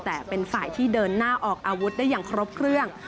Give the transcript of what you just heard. แต่เป็นฝ่ายที่เดินหน้าออกอาวุธได้อย่างครบเครื่อง